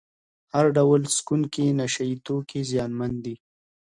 هر ډول څکونکي نشه یې توکي زیانمن دي.